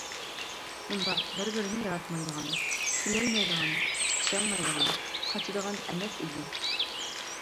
ئۇنداق بىر-بىرىنى ياراتمايدىغان، كۈلەلمەيدىغان، چىقىشالمايدىغان، قاچىدىغان ئەمەس ئىدى.